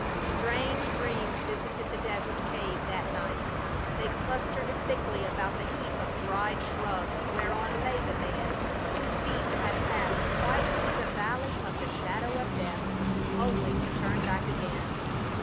Strange dreams visited the desert cave that night ; they clustered thickly about the heap of dried shrubs whereon lay the man whose feet had passed quite through the valley of the shadow of death, only to turn back again.